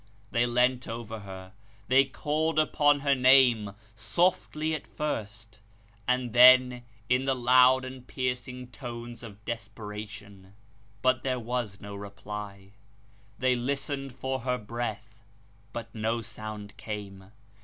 They leant over her ; they called upon her name, softly at first, and then in the loud and piercing tones of desperation. But there was no reply. They listened for her breath, but no sound came.